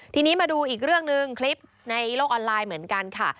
ทีนี้มาดูอีกเรื่องหนึ่งคลิปในโลกออนไลน์เหมือนกันค่ะ